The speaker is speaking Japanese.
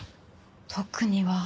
特には。